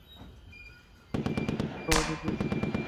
ওকে বাইরে পেয়েছি আমরা।